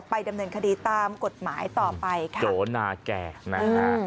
ดำเนินคดีตามกฎหมายต่อไปค่ะโจนาแก่นะฮะ